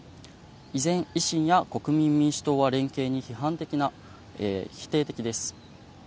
以前、維新や国民民主党は連携に否定的です。